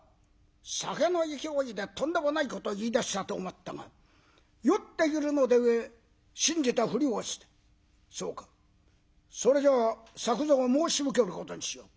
酒の勢いでとんでもないことを言いだしたと思ったが酔っているので信じたふりをして「そうか。それでは作蔵を申し受けることにしよう。